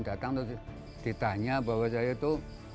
datang terus ditanya bahwa saya itu